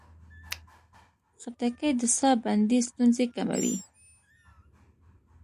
خټکی د ساه بندي ستونزې کموي.